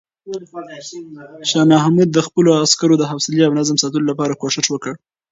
شاه محمود د خپلو عسکرو د حوصلې او نظم ساتلو لپاره کوښښ وکړ.